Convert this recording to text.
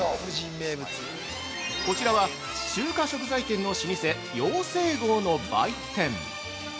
◆こちらは中華食材店の老舗「耀盛號」の売店。